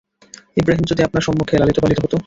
ইবরাহীম যদি আপনার সম্মুখে লালিত-পালিত হত!